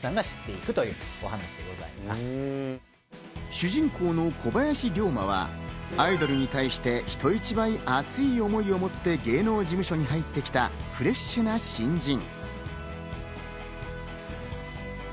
主人公の小林竜馬はアイドルに対して人一倍熱い思いをもって芸能事務所に入ってきたフレッシュな新人。